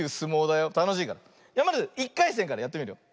まず１かいせんからやってみるよ。